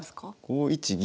５一銀。